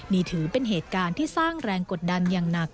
นี่ถือเป็นเหตุการณ์ที่สร้างแรงกดดันอย่างหนัก